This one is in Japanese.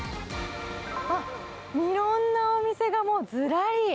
あっ、いろんなお店がもうずらり。